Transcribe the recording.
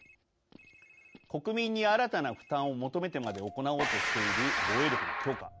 国民に新たな負担を求めてまで行おうとしている防衛力の強化。